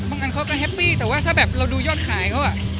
อันเขาก็แฮปปี้แต่ว่าถ้าแบบเราดูยอดขายเขาอ่ะ